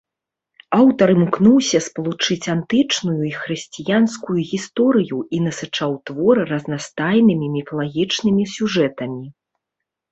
Аўтар імкнуўся спалучыць антычную і хрысціянскую гісторыю і насычаў твор разнастайнымі міфалагічнымі сюжэтамі.